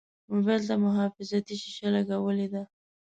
موبایل ته محافظتي شیشه لګولې ده.